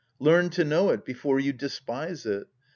Learn to know it before you despise it.